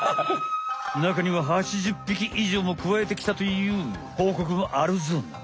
中には８０匹以上もくわえてきたというほうこくもあるぞな。